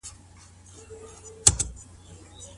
که دغو احکامو ته دقيقه توجه وکړو نو څه به ثابته سي؟